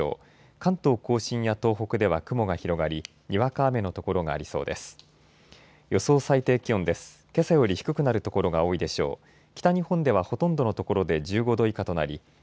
関東甲信や東北では雲が広がりにわか雨の所がありそうです。